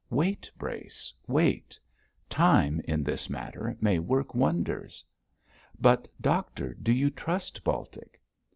Wait, Brace, wait! Time, in this matter, may work wonders.' 'But, doctor, do you trust Baltic?'